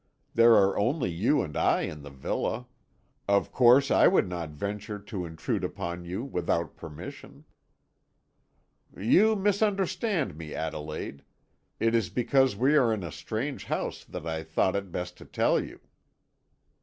"There are only you and I in the villa; of course I would not venture to intrude upon you without permission." "You misunderstand me, Adelaide; it is because we are in a strange house that I thought it best to tell you."